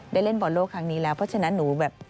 ได้เล่นบอลโลกครั้งนี้แล้วเพราะฉะนั้นหนูแบบ